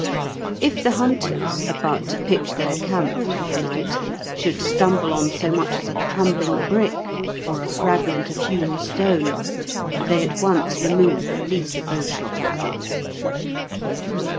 If the hunters, about to pitch their camp for the night, should stumble on so much as a crumbling brick or a fragment of hewn stone, they at once remove at least a bowshot away.